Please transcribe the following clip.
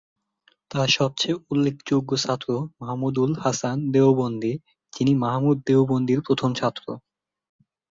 তার সবচেয়ে উল্লেখযোগ্য ছাত্র মাহমুদুল হাসান দেওবন্দি, যিনি মাহমুদ দেওবন্দির প্রথম ছাত্র।